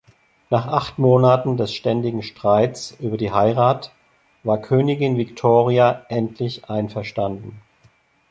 Nach acht Monaten des ständigen Streits über die Heirat war Königin Victoria endlich einverstanden.